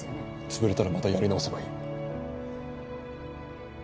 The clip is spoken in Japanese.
潰れたらまたやり直せばいい。